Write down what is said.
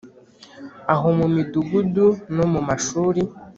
Aho mu midugudu no mu mashuri